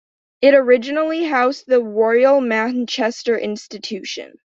It originally housed the Royal Manchester Institution.